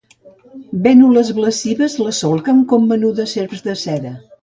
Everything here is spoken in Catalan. Vènules blavisses la solquen, com menudes serps de seda.